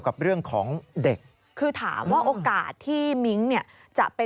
ขอให้ทุกคนมาโทษที่ผมนะครับ